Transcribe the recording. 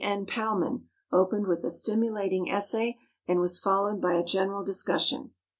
N. Powman opened with a stimulating essay, and was followed by a general discussion.